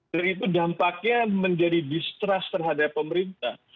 dan itu dampaknya menjadi distrust terhadap pemerintah